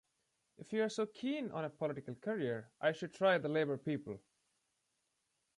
If you're so keen on a political career, I should try the Labour people.